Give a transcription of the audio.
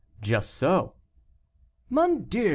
"Just so." "Mon Dieu!